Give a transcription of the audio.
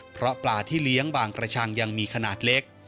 เพราะปลาที่เลี้ยงบางกระชังยังมีขนาดเล็ก